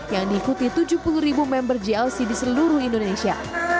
yang diikuti tujuh puluh ribu member jlc di seluruh indonesia